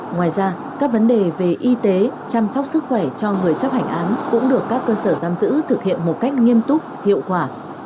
ngoài ra các vấn đề về y tế chăm sóc sức khỏe cho người chấp hành án cũng được các cơ sở giam giữ thực hiện một cách nghiêm túc hiệu quả